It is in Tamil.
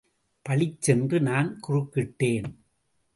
பளிச்சென்று நான் குறுக்கிட்டேன்.